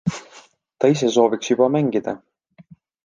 Ta ise sooviks juba mängida.